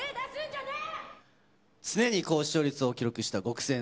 常に高視聴率を記録したごくせん。